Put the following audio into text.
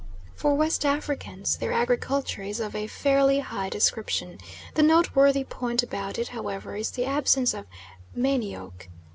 For West Africans their agriculture is of a fairly high description the noteworthy point about it, however, is the absence of manioc.